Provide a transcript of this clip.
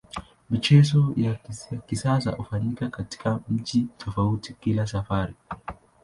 Michezo ya kisasa hufanyika katika mji tofauti kila safari.